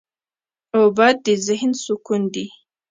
اوبه د ذهن سکون دي.